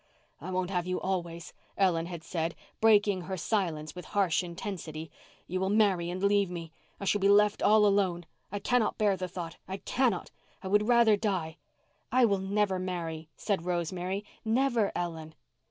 "I won't have you always," Ellen had said, breaking her silence with harsh intensity. "You will marry and leave me. I shall be left all alone. I cannot bear the thought—I cannot. I would rather die." "I will never marry," said Rosemary, "never, Ellen."